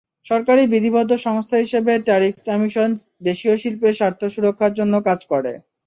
সরকারি বিধিবদ্ধ সংস্থা হিসেবে ট্যারিফ কমিশন দেশীয় শিল্পের স্বার্থ সুরক্ষার জন্য কাজ করে।